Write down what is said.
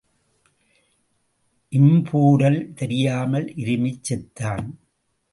இம்பூரல் தெரியாமல் இருமிச் செத்தான்.